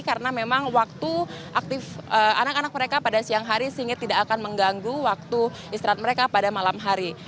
karena memang waktu aktif anak anak mereka pada siang hari sehingga tidak akan mengganggu waktu istirahat mereka pada malam hari